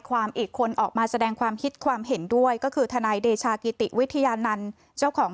ความอีกคนออกมาแสดงความฮิตความเห็นด้วยก็คือทันรคทีจราศน์